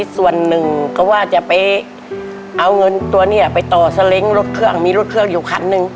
ส่วนหนึ่งก็ว่าจะไปเอาเงินตัวนี้ไปต่อสเล้งรถเครื่องมีรถเครื่องอยู่คันหนึ่ง